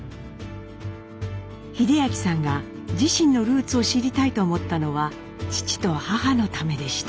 英明さんが自身のルーツを知りたいと思ったのは父と母のためでした。